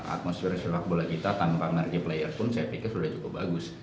atmosfer sepak bola kita tanpa margi player pun saya pikir sudah cukup bagus